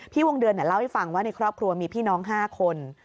วงเดือนเล่าให้ฟังว่าในครอบครัวมีพี่น้อง๕คน